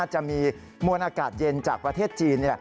จะมีมวลอากาศเย็นจากประเทศจีน